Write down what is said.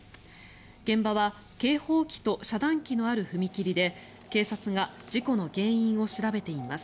現場は警報機と遮断機のある踏切で警察が事故の原因を調べています。